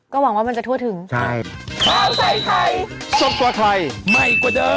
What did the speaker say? ก็หวังว่ามันจะทั่วถึงใช่